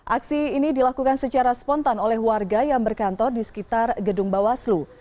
aksi ini dilakukan secara spontan oleh warga yang berkantor di sekitar gedung bawaslu